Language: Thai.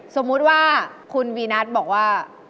สมมุติว่าคุณวีนัทบอกว่า